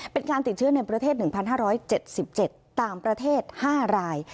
เป็นการติดเชื้อในประเทศ๑๕๗๗ต่างประเทศ๕ราย